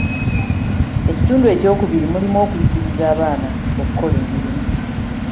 Ekitundu ekyokubiri mulimu okuyigiriza abaana okukola emirimu.